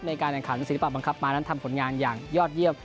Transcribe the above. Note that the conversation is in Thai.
ในการแข่งขันศิลปะบังคับมานั้นทำผลงานอย่างยอดเยี่ยม